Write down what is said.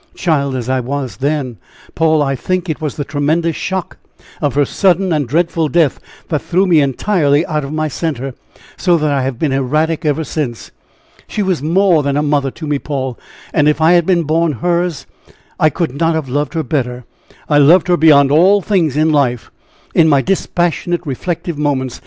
Child as I then was, Paul, I think it was the tremendous shock of her sudden and dreadful death, that threw me entirely out of my center, so that I have been erratic ever since. She was more than a mother to me, Paul; and if I had been born hers, I could not have loved her better I loved her beyond all things in life. In my dispassionate, reflective moments.